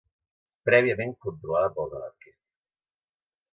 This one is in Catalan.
...prèviament controlada pels anarquistes